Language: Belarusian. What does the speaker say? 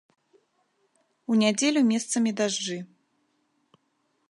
У нядзелю месцамі дажджы.